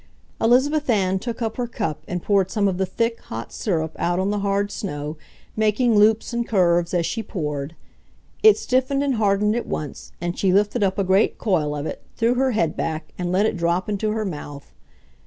Elizabeth Ann took up her cup and poured some of the thick, hot syrup out on the hard snow, making loops and curves as she poured. It stiffened and hardened at once, and she lifted up a great coil of it, threw her head back, and let it drop into her mouth.